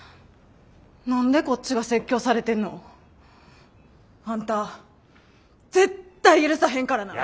何でこっちが説教されてんの？あんた絶対許さへんからな！